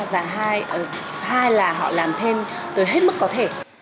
và hai là họ làm thêm tới hết mức có thể